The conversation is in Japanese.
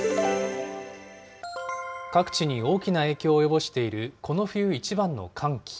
各地に大きな影響を及ぼしているこの冬一番の寒気。